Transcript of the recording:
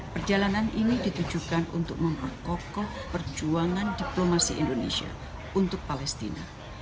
perjalanan ini ditujukan untuk memperkokoh perjuangan diplomasi indonesia untuk palestina